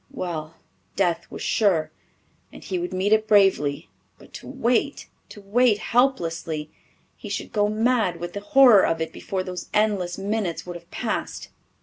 Well, death was sure and he would meet it bravely. But to wait to wait helplessly! He should go; mad with the horror of it before those endless minutes would have passed!